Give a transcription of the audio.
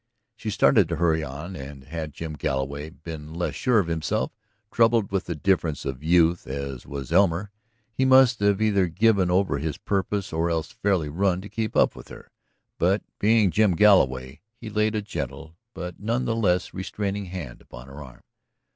She started to hurry on, and had Jim Galloway been less sure of himself, troubled with the diffidence of youth as was Elmer, he must have either given over his purpose or else fairly run to keep up with her. But being Jim Galloway, he laid a gentle but none the less restraining hand upon her arm.